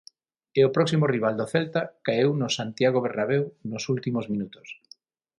E o próximo rival do Celta caeu no Santiago Bernabéu nos últimos minutos.